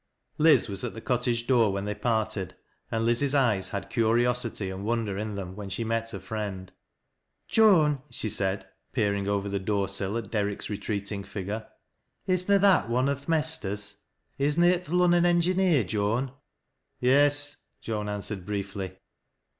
Liz was at the cottage door when they pai ted, and Liz's eyes had curiosity and wouder'in them when she met Ler friend. " Joan," she said, peering over the door sill at Derrick'? retreating figure, " is na that one o' th' mesters ? Is na it the Lunnon engineer, Joan ?"" Yes," Joan answered briefly.